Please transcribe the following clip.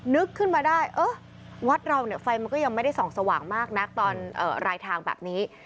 นึกขึ้นมาได้เออวัดเราเนี่ยไฟมันก็ยังไม่ได้ส่องสว่างมากนักตอนรายทางแบบนี้